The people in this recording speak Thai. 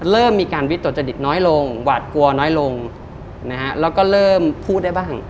เริ่มมีการวิตกจริตน้อยลงหวาดกลัวน้อยลงนะฮะแล้วก็เริ่มพูดได้บ้าง